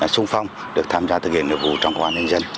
sung phong được tham gia thực hiện nhiệm vụ trong công an nhân dân